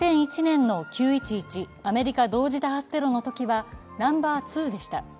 ２００１年の９・１１アメリカ同時多発テロのときは、ナンバー２でした。